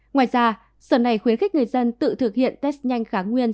ngoài ra sở này khuyến khích người dân tự thực hiện test nhanh kháng nguyên